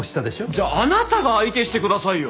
じゃああなたが相手してくださいよ。